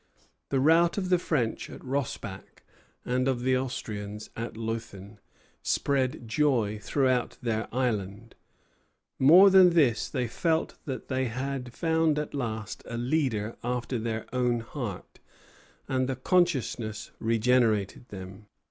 The rout of the French at Rossbach and of the Austrians at Leuthen spread joy through their island. More than this, they felt that they had found at last a leader after their own heart; and the consciousness regenerated them.